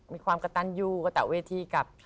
มีความกดตัญอยู่กระเต่าเวทีกับ